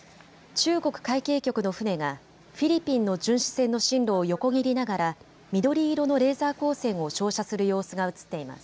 中国海警局の船がフィリピンの巡視船の進路を横切りながら緑色のレーザー光線を照射する様子が映っています。